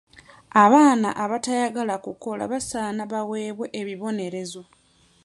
Abaana abataagala kukola basaana baweebwe ebibonerezo.